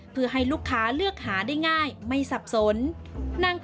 เพื่อให้ลูกค้าเลือกหาได้ง่ายไม่สับสน